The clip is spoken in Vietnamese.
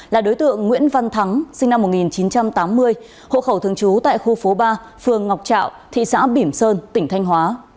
là đối tượng nguyễn văn thắng sinh năm một nghìn chín trăm tám mươi hộ khẩu thường trú tại khu phố ba phường ngọc trạo thị xã bỉm sơn tỉnh thanh hóa